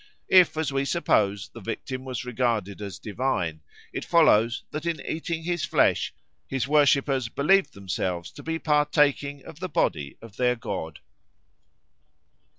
If, as we suppose, the victim was regarded as divine, it follows that in eating his flesh his worshippers believed themselves to be partaking of the body of their god.